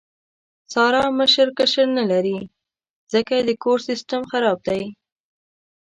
ساره مشر کشر نه لري، ځکه یې د کور سیستم خراب دی.